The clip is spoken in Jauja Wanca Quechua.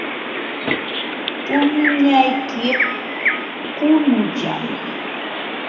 Puñunayki qunullam.